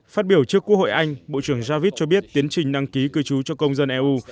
phát biểu trước quốc hội anh bộ trưởng javid cho biết tiến trình đăng ký cư trú cho công dân eu